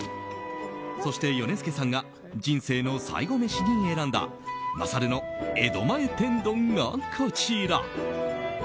そして、ヨネスケさんが人生の最後メシに選んだまさるの江戸前天丼が、こちら。